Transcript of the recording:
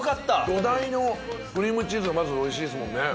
土台のクリームチーズがまずおいしいですもんね